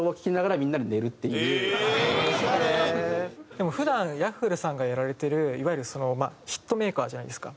でも普段Ｙａｆｆｌｅさんがやられてるいわゆるそのヒットメーカーじゃないですか。